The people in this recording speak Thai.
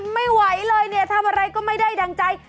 ไม่ไหวเลยเนี่ยทำอะไรก็ไม่ได้ดั่งใจ